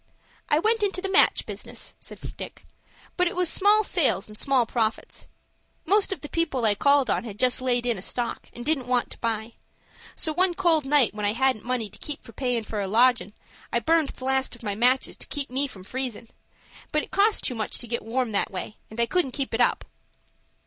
"I went into the match business," said Dick; "but it was small sales and small profits. Most of the people I called on had just laid in a stock, and didn't want to buy. So one cold night, when I hadn't money enough to pay for a lodgin', I burned the last of my matches to keep me from freezin'. But it cost too much to get warm that way, and I couldn't keep it up."